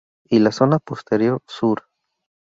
Y la zona posterior "Sur.